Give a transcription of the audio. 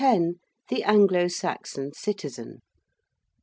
THE ANGLO SAXON CITIZEN.